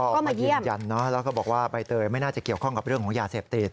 ก็มายืนยันนะแล้วก็บอกว่าใบเตยไม่น่าจะเกี่ยวข้องกับเรื่องของยาเสพติด